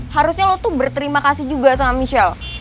harusnya lo tuh berterima kasih juga sama michelle